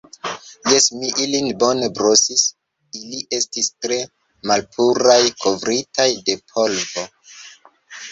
Jes, mi ilin bone brosis; ili estis tre malpuraj kovritaj de polvo.